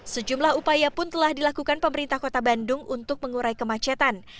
sejumlah upaya pun telah dilakukan pemerintah kota bandung untuk mengurai kemacetan